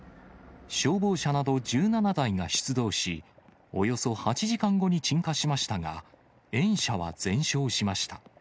消防車など１７台が出動し、およそ８時間後に鎮火しましたが、園舎は全焼しました。